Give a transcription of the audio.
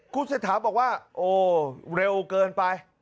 คุณเศรษฐาบอกว่าโอ้เร็วเกินไป